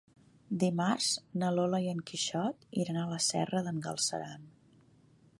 Dimarts na Lola i en Quixot iran a la Serra d'en Galceran.